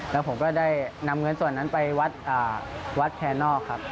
แล้วผมก็ได้นำเงินส่วนนั้นไปวัดวัดแคนนอกครับ